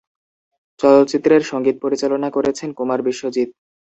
চলচ্চিত্রের সঙ্গীত পরিচালনা করেছেন কুমার বিশ্বজিৎ।